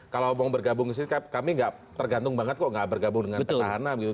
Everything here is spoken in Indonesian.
kalau mau bergabung disini kami tidak tergantung banget kok tidak bergabung dengan petahana